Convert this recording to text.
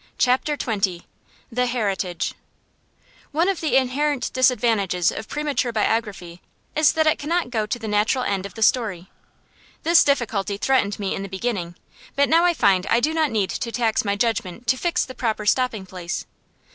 CHAPTER XX THE HERITAGE One of the inherent disadvantages of premature biography is that it cannot go to the natural end of the story. This difficulty threatened me in the beginning, but now I find I do not need to tax my judgment to fix the proper stopping place.